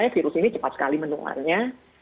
virus ini cepat sekali menularnya